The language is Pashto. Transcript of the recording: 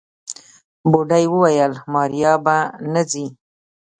بوډۍ وويل ماريا به نه ځي.